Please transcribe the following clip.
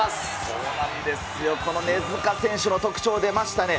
そうなんですよ、この根塚選手の特徴出ましたね。